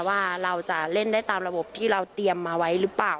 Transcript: ว่าเราจะเล่นได้ตามระบบที่เราเตรียมมาไว้หรือเปล่า